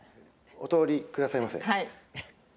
お取りくださいませ？